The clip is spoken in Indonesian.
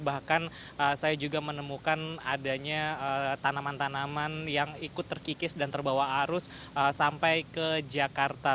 bahkan saya juga menemukan adanya tanaman tanaman yang ikut terkikis dan terbawa arus sampai ke jakarta